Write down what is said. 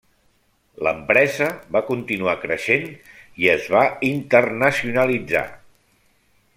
L'empresa va continuar creixent i es va internacionalitzar.